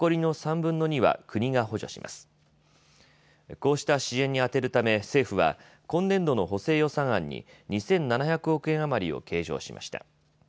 こうした支援に充てるため政府は今年度の補正予算案に２７００億円余りを計上しました。